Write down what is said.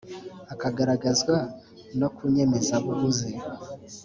akagaragazwa no ku nyemezabuguzi